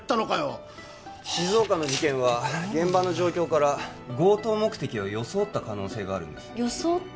あきれた静岡の事件は現場の状況から強盗目的を装った可能性がある装った？